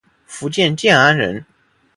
福建建安人。